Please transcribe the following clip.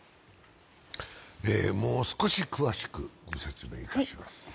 もう少し詳しくご説明いたします。